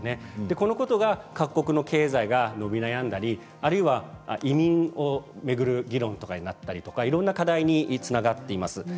そのことが各国の経済が伸び悩んだり、あるいは移民を巡る議論などになったりいろいろな課題につながっています。